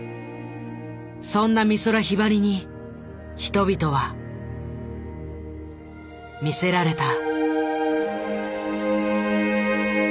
そんな美空ひばりに人々は魅せられた。